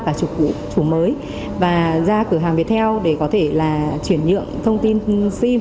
cả chủ cũ chủ mới và ra cửa hàng về theo để có thể là chuyển nhượng thông tin sim